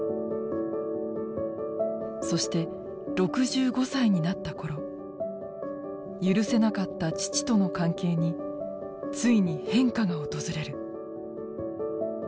そして６５歳になった頃ゆるせなかった父との関係についに変化が訪れる。